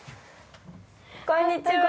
こんにちは。